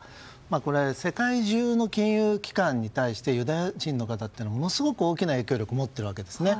これは世界中の金融機関に対してユダヤ人の方はものすごく大きな影響力を持っているんですね。